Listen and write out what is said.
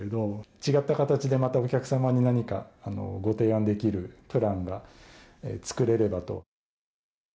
違った形でまたお客様に何かご提案できるプランが作れればと。